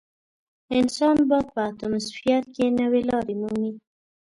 انسان به په اتموسفیر کې نوې لارې مومي.